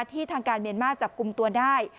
ทางการเมียนมาร์จับกลุ่มตัวได้